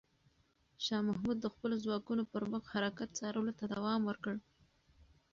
شاه محمود د خپلو ځواکونو پر مخ حرکت څارلو ته دوام ورکړ.